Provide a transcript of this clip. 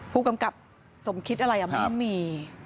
ผู้กำกับสมคิดอะไรไม่มี